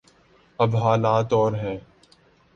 اب حالات اور ہیں۔